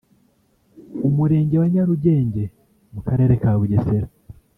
Umurenge wa Nyarugenge mu Karere ka Bugesera